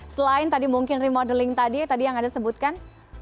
selain tadi mungkin remodeling tadi tadi yang anda sebutkan